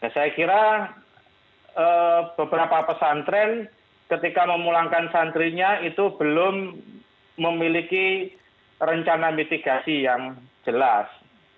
saya kira beberapa pesantren ketika memulangkan santrinya itu belum memiliki rencana mitigasi yang jelas